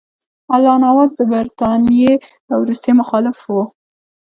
الله نواز د برټانیې او روسیې مخالف وو.